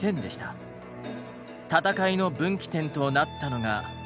戦いの分岐点となったのが。